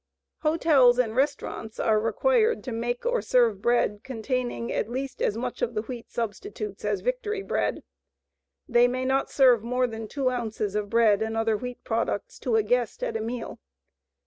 Hotels and restaurants are required to make or serve bread containing at least as much of the wheat substitutes as Victory bread. They may not serve more than two ounces of bread and other wheat products to a guest at a meal.